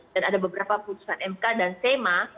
dan ada beberapa putusan mk dan sema